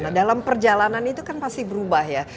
nah dalam perjalanan itu kan pasti berubah ya